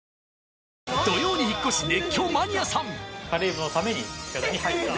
土曜に引っ越し「熱狂マニアさん！」